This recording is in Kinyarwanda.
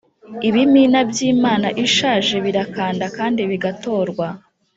ibimina byimana ishaje birakanda kandi bigatorwa,